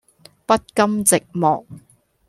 不甘寂寞